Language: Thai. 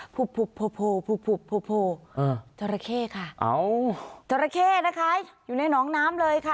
โพจราเข้ค่ะจราเข้นะคะอยู่ในน้องน้ำเลยค่ะ